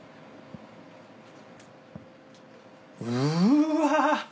うわ。